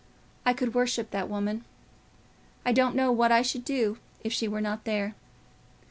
I could worship that woman; I don't know what I should do if she were not there.